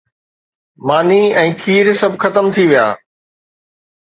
ماني ۽ کير سڀ ختم ٿي ويا.